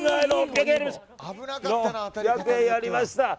やりました。